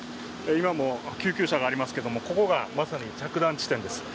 今も救急車がありますけれども、ここがまさに着弾地点です。